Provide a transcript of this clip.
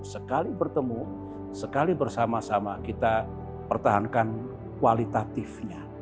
sekali bertemu sekali bersama sama kita pertahankan kualitatifnya